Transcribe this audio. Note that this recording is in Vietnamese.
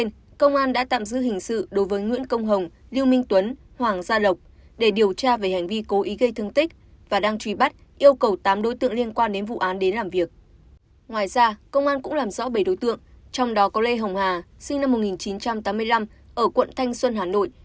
ngoài ra công an cũng làm rõ bảy đối tượng trong đó có lê hồng hà sinh năm một nghìn chín trăm tám mươi năm ở quận thanh xuân hà nội